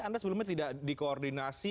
anda sebelumnya tidak dikoordinasi